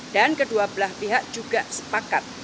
dan kedua belah pihak juga sepakat